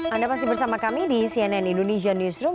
anda masih bersama kami di cnn indonesia newsroom